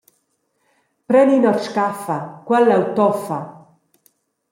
Pren in ord scaffa, quel leu toffa.